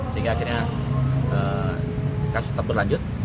sehingga akhirnya kasus tetap berlanjut